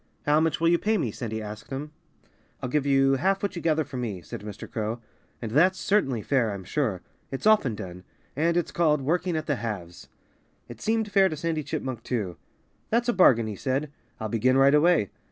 "How much will you pay me?" Sandy asked him. "I'll give you half what you gather for me," said Mr. Crow. "And that's certainly fair, I'm sure. It's often done. And it's called 'working at the halves.'" It seemed fair to Sandy Chipmunk, too. "That's a bargain," he said. "I'll begin right away.